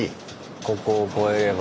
ここを越えれば。